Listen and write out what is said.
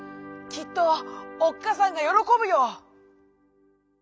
きっとおっかさんがよろこぶよ」。